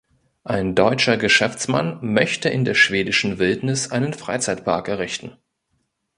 Ein deutscher Geschäftsmann möchte in der schwedischen Wildnis einen Freizeitpark errichten.